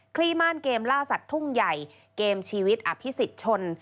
ลี่ม่านเกมล่าสัตว์ทุ่งใหญ่เกมชีวิตอภิษฎชน